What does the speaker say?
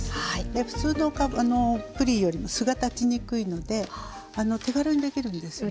普通のプリンよりも「す」が立ちにくいので手軽にできるんですよね。